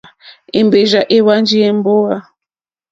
Èmbèrzà èhwánjì èmbówà.